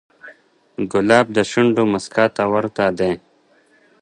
ګلاب د شونډو موسکا ته ورته دی.